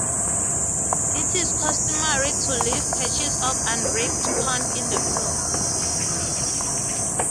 It is customary to leave patches of unreaped corn in the fields.